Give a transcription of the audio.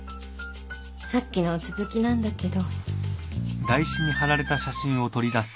さっきの続きなんだけど。